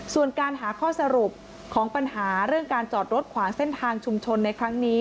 ส่วนการหาข้อสรุปของปัญหาเรื่องการจอดรถขวางเส้นทางชุมชนในครั้งนี้